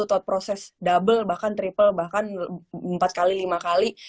akan ada tuh proses double bahkan triple bahkan empat kali lima kali